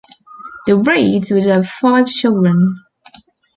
The Reeds would have five children.